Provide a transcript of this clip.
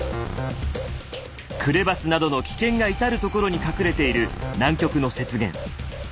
クレバスなどの危険が至る所に隠れている南極の雪原。